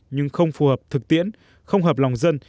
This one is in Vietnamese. nhưng không phù hợp thực tiễn không hợp lòng dân